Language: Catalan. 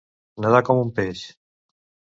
Nedar com un peix.